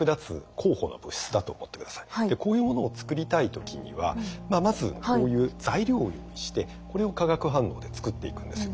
こういうものを作りたい時にはまずこういう材料を用意してこれを化学反応で作っていくんですよ。